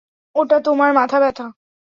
ওটা তোমার মাথাব্যথা।